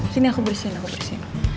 sini aku bersihin